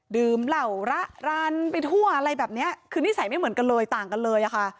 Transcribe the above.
เหล่าระรานไปทั่วอะไรแบบเนี้ยคือนิสัยไม่เหมือนกันเลยต่างกันเลยอะค่ะ